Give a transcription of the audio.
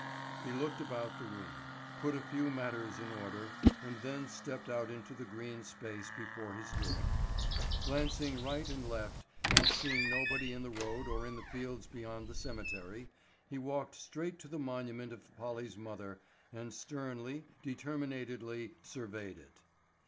He looked about the room, put a few matters in order, and then stepped out into the green space before his door. Glancing right and left and seeing nobody in the road or in the fields beyond the cemetery, he walked straight to the monument of Polly's mother and sternly, determinately surveyed it.